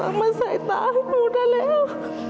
แม่หาตัวมาใส่ตาให้หนูได้แล้ว